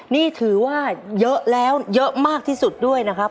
นี่ถือว่าเยอะแล้วเยอะมากที่สุดด้วยนะครับ